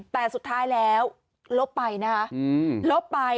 แต่สุดท้ายแล้วลบไปนะคะลบไป